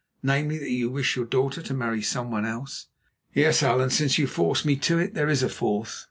Namely, that you wish your daughter to marry someone else." "Yes, Allan; since you force me to it, there is a fourth.